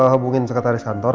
hubungin sekretaris kantor